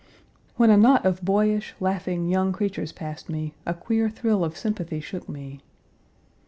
When a knot of boyish, laughing, young creatures passed me, a queer thrill of sympathy shook me.